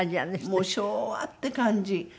もう昭和って感じ。